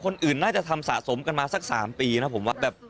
คนอื่นน่าจะทำสะสมกันมาสัก๓ปีนะผมว่าแบบ